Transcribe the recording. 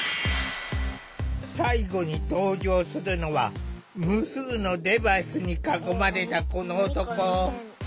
最後に登場するのは無数のデバイスに囲まれたこの男。